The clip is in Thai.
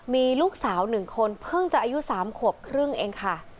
มีลูกสาว๑คนเพิ่งจะอายุ๓ขวบครึ่งเองค่ะ